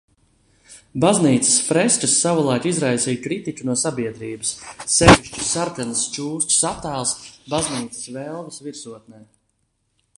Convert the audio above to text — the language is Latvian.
Baznīcas freskas savulaik izraisīja kritiku no sabiedrības, sevišķi sarkanas čūskas attēls baznīcas velves virsotnē.